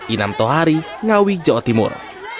inam tohari ngawi jawa timur